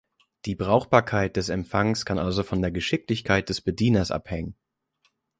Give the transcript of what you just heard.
Die Brauchbarkeit des Empfangs kann also von der Geschicklichkeit des Bedieners abhängen.